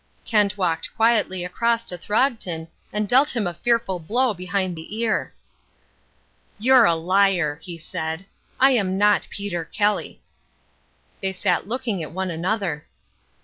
Kent walked quietly across to Throgton and dealt him a fearful blow behind the ear. "You're a liar," he said, "I am not Peter Kelly." They sat looking at one another.